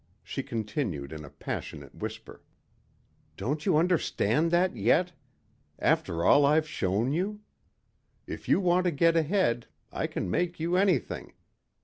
She continued in a passionate whisper. "Don't you understand that yet? After all I've shown you. If you want to get ahead, I can make you anything.